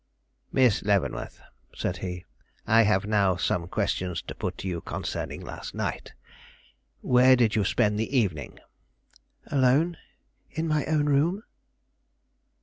"Miss Leavenworth," said he, "I have now some questions to put you concerning last night. Where did you spend the evening?" "Alone, in my own room."